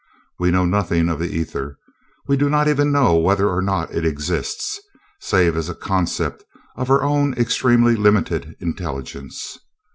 We know nothing of the ether we do not even know whether or not it exists, save as a concept of our own extremely limited intelligence.